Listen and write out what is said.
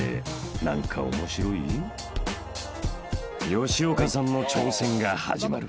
［吉岡さんの挑戦が始まる］